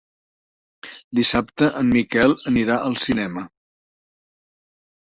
Dissabte en Miquel anirà al cinema.